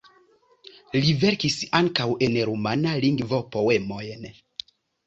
Li verkis ankaŭ en rumana lingvo poemojn.